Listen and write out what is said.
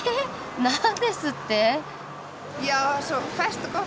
何ですって。